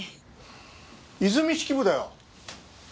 和泉式部だよ。